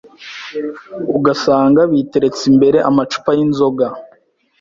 ugasanga biteretse imbere amacupa y’inzoga